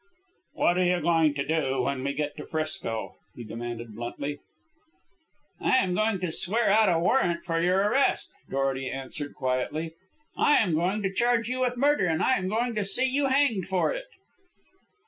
"What are you going to do when we get to 'Frisco?" he demanded bluntly. "I am going to swear out a warrant for your arrest," Dorety answered quietly. "I am going to charge you with murder, and I am going to see you hanged for it."